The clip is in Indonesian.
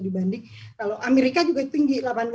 dibanding kalau amerika juga tinggi